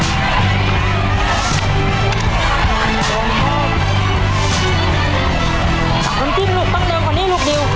จากกลมกิ๊บลูกต้องเร็วขนี้ลูกดิว